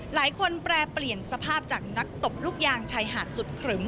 แปรเปลี่ยนสภาพจากนักตบลูกยางชายหาดสุดขรึม